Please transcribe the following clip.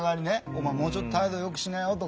「お前もうちょっと態度良くしなよ」とか